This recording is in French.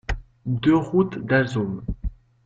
deux route d'Alzom